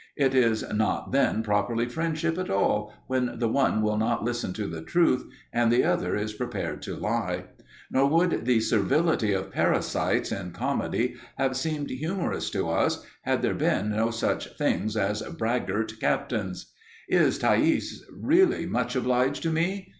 It is not then properly friendship at all when the one will not listen to the truth, and the other is prepared to lie. Nor would the servility of parasites in comedy have seemed humorous to us had there been no such things as braggart captains. "Is Thais really much obliged to me?"